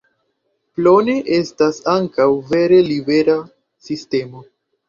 Plone estas ankaŭ vere libera sistemo.